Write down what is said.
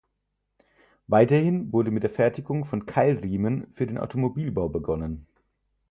Weiterhin wurde mit der Fertigung von Keilriemen für den Automobilbau begonnen.